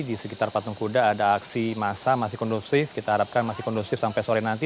di sekitar patung kuda ada aksi massa masih kondusif kita harapkan masih kondusif sampai sore nanti